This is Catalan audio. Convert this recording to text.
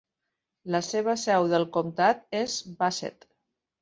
La seva seu del comtat és Bassett.